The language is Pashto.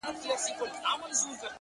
زه هم له خدايه څخه غواړمه تا،